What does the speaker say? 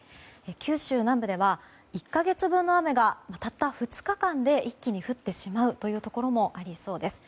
九州南部では１か月分の雨が、たった２日間で一気に降ってしまうというところもありそうです。